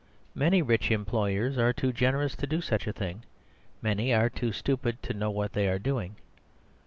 Many rich employers are too generous to do such a thing; many are too stupid to know what they are doing.